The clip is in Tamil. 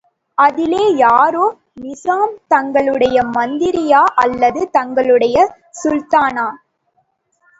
அதிலே யாரோ, நிசாம் தங்களுடைய மந்திரியா, அல்லது தங்களுடைய சுல்தானா?